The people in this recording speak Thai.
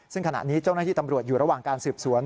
ซึ่งขณะนี้เจ้าหน้าที่ตำรวจอยู่ระหว่างการสืบสวน